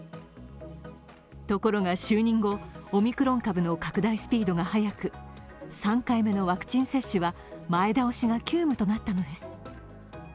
ところが、就任後、オミクロン株の拡大スピードが速く３回目のワクチン接種は前倒しが急務となったのです。